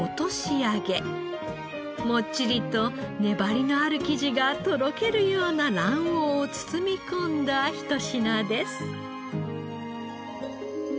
もっちりと粘りのある生地がとろけるような卵黄を包み込んだ一品です。